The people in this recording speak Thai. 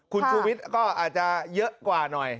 คุณชูวิทย์ก็อาจจะเยอะกว่าหน่อย